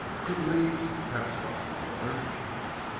Could the leaves have stuck together?"